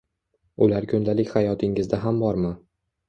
Ular kundalik hayotingizda ham bormi